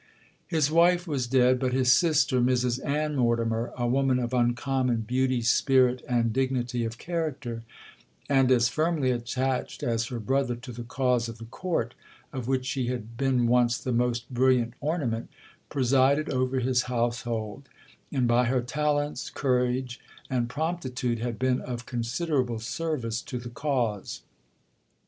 'His wife was dead, but his sister, Mrs Ann Mortimer, a woman of uncommon beauty, spirit, and dignity of character, and as firmly attached as her brother to the cause of the court, of which she had been once the most brilliant ornament, presided over his household, and by her talents, courage, and promptitude, had been of considerable service to the cause.